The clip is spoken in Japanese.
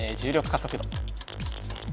加速度。